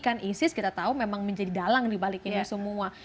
bahkan isis kita tahu memang menjadi dalang dibalik ini semua